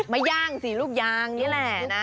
มาย่างสิลูกยางนี่แหละนะ